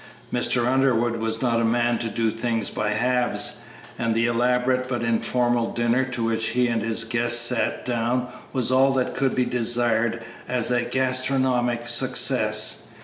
Mr. Underwood was not a man to do things by halves, and the elaborate but informal dinner to which he and his guests sat down was all that could be desired as a gastronomic success.